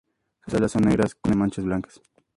Sus alas son negras con manchas blancas.